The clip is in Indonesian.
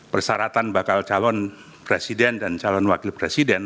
persyaratan bakal calon presiden dan calon wakil presiden